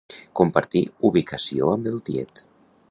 Compartir ubicació amb el tiet.